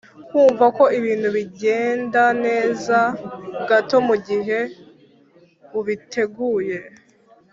kumva ko ibintu bigenda neza gato mugihe ubiteguye